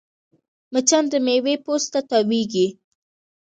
مچان د میوې پوست ته تاوېږي